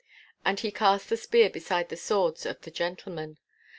And he cast the spear beside the swords of the gentlemen.